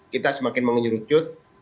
kita semakin mengerucut